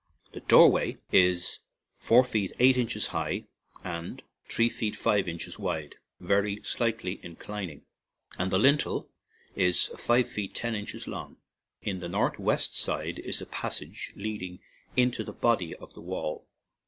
The doorway is four feet eight inches high and three feet five inches wide, very slightly inclining, and the lintel is five feet ten inches long. In the northwest side is a passage lead ing into the body of the wall.